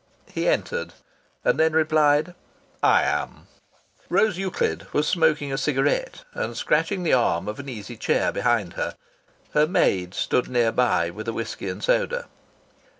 He entered and then replied: "I am." Rose Euclid was smoking a cigarette and scratching the arm of an easy chair behind her. Her maid stood near by with a whisky and soda.